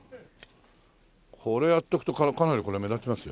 これやっとくとかなり目立ちますよ。